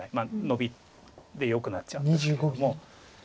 ノビでよくなっちゃうんですけれども。